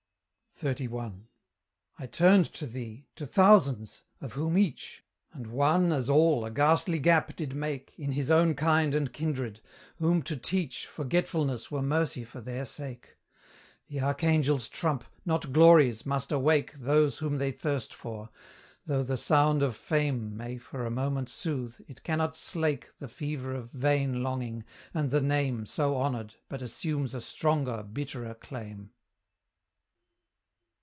XXXI. I turned to thee, to thousands, of whom each And one as all a ghastly gap did make In his own kind and kindred, whom to teach Forgetfulness were mercy for their sake; The Archangel's trump, not Glory's, must awake Those whom they thirst for; though the sound of Fame May for a moment soothe, it cannot slake The fever of vain longing, and the name So honoured, but assumes a stronger, bitterer claim.